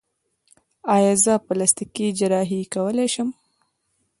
ایا زه پلاستیکي جراحي کولی شم؟